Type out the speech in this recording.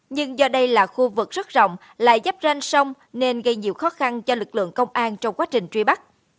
nhưng do đây là khu vực rất rộng lại dắp ranh sông nên gây nhiều khó khăn cho lực lượng công an trong quá trình truy bắt